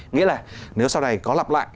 nghĩa là nếu sau này có lặp lại